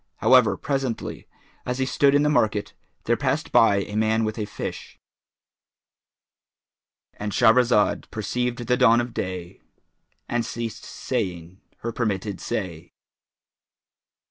However presently, as he stood in the market, there passed by a man with a fish,—And Shahrazad perceived the dawn of day and ceased saying her permitted say.